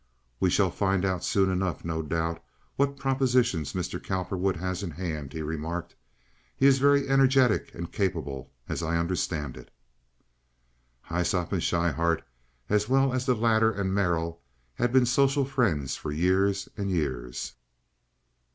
"We shall find out soon enough, no doubt, what propositions Mr. Cowperwood has in hand," he remarked. "He is very energetic and capable, as I understand it." Hyssop and Schryhart, as well as the latter and Merrill, had been social friends for years and years.